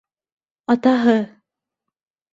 Атаһы...